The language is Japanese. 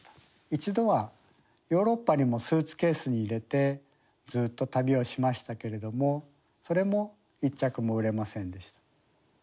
一度はヨーロッパにもスーツケースに入れてずっと旅をしましたけれどもそれも１着も売れませんでした。